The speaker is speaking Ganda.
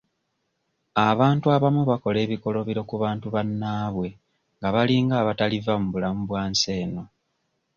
Abantu abamu bakola ebikolobero ku bantu bannaabwe nga balinga abataliva mu bulamu bwa nsi eno.